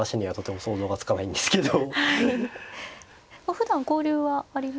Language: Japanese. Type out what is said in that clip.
ふだん交流はありますか？